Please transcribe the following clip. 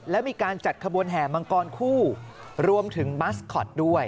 และมีการจัดขบวนแห่มังกรคู่รวมถึงบัสคอตด้วย